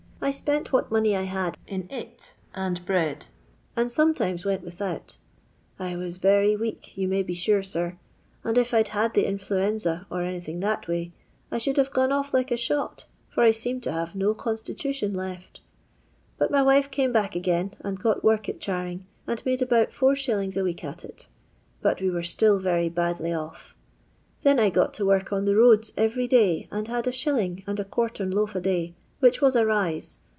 I spent what money I had in it and bread, and sometimes went without I was very weak, you may be sure, sir ; and if I 'd had the influenxa or anything that way, I should have gone off like a shot, for I seemed to have no con stitution left But my wife came back again and got work at charing, and made about is. a week at it ; but we were still very badly off. Then I got to work on the roads every day, and had 1$. and a quartern loaf a day, which was a rise.